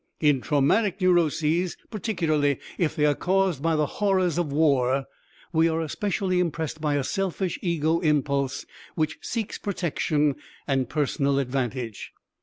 In traumatic neuroses, particularly if they are caused by the horrors of war, we are especially impressed by a selfish ego impulse which seeks protection and personal advantage.